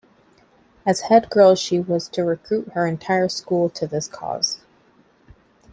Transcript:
As Head Girl she was to recruit her entire school to this cause.